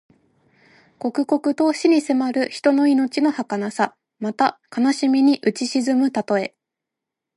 刻々と死に迫る人の命のはかなさ。また、悲しみにうち沈むたとえ。